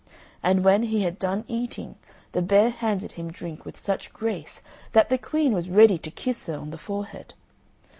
And when he had done eating, the bear handed him drink with such grace that the Queen was ready to kiss her on the forehead.